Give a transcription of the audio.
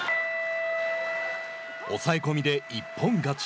抑え込みで一本勝ち。